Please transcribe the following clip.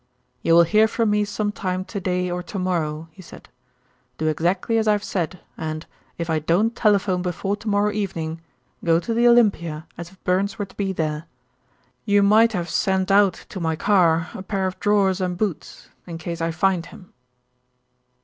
"You will hear from me some time to day or to morrow," he said. "Do exactly as I have said and, if I don't telephone before to morrow evening, go to the Olympia as if Burns were to be there. You might have sent out to my car a pair of drawers and boots in case I find him."